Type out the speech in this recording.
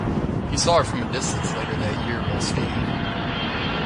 He saw her from a distance later that year while skiing.